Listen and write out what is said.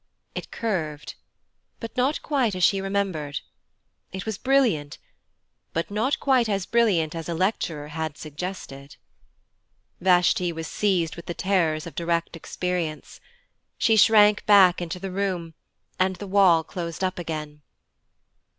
It curved but not quite as she remembered; it was brilliant but not quite as brilliant as a lecturer had suggested. Vashti was seized with the terrors of direct experience. She shrank back into the room, and the wall closed up again.